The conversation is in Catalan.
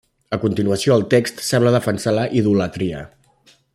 A continuació el text sembla defensar la idolatria.